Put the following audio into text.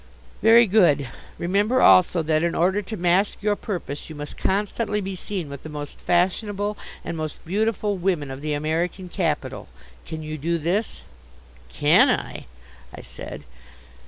"Very good. Remember also that in order to mask your purpose you must constantly be seen with the most fashionable and most beautiful women of the American capital. Can you do this?" "Can I?" I said.